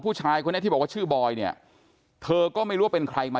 ผู้ชายคนนี้ที่บอกว่าชื่อบอยเนี่ยเธอก็ไม่รู้ว่าเป็นใครมา